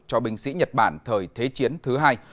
cho binh sĩ nhật bản thời thế chiến thứ hai